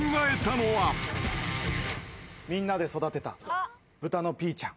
みんなで育てた豚のピーちゃん。